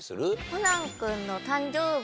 コナン君。